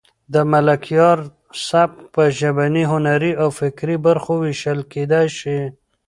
د ملکیار سبک په ژبني، هنري او فکري برخو وېشل کېدای شي.